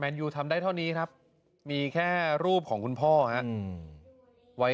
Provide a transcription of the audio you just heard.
แมนยูทำได้เท่านี้ครับมีแค่รูปของคุณพ่อนะ